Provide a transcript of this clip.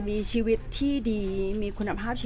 แต่ว่าสามีด้วยคือเราอยู่บ้านเดิมแต่ว่าสามีด้วยคือเราอยู่บ้านเดิม